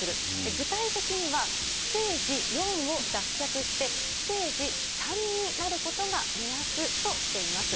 具体的にはステージ４を脱却して、ステージ３になることが目安としています。